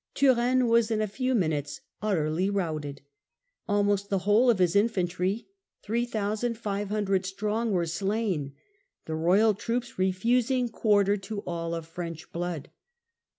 Turenne was in a few minutes utterly routed. Almost the whole of his infantry, 3,500 strong, were slain, the royal troops refusing quarter to all of French blood.